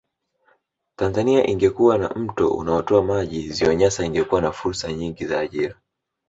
Tanzania ingekuwa na mto unaotoa maji ziwa Nyasa ingekuwa na fursa nyingi za ajira